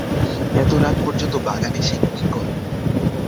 এত রাত পর্যন্ত বাগানে সে কী করে?